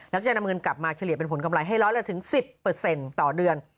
แล้วก็จะนำเงินกลับมาเฉลี่ยเป็นผลกำไรให้ร้อยละถึง๑๐ต่อเดือน